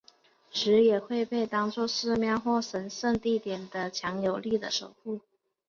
蛇也会被当做寺庙或者神圣地点的强有力的守护。